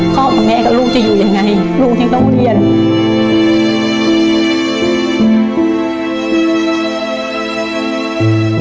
ครอบครัวแม่กับลูกจะอยู่ยังไง